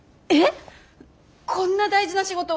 こんな大事な仕事を私が？